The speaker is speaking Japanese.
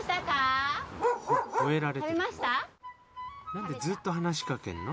なんでずっと話しかけんの？